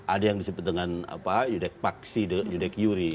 ada yang disebut dengan yudek paksi yudek yuri